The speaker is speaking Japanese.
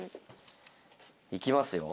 いきますよ。